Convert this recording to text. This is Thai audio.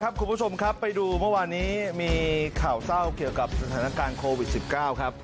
คุณผู้ชมครับไปดูเมื่อวานนี้มีข่าวเศร้าเกี่ยวกับสถานการณ์โควิด๑๙ครับ